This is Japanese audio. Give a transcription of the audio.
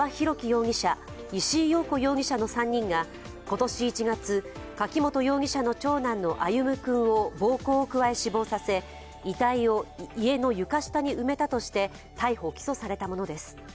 容疑者、石井陽子容疑者の３人が今年１月、柿本容疑者の長男の歩夢君を暴行を加え死亡させ遺体を家の床下に埋めたとして逮捕・起訴されたものです。